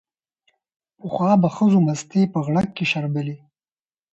پخوا به ښځو مستې په غړګ کې شربلې